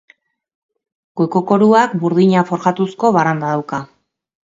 Goiko koruak burdina forjatuzko baranda dauka.